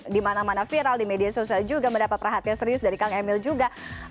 di mana mana viral di media sosial juga mendapat perhatian serius dari kang emil juga